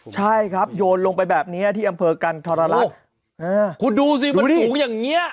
ใช่ครับโยนลงไปแบบนี้ที่อำเภอกันธรรลักษณ์คุณดูสิมันสูงอย่างเงี้ย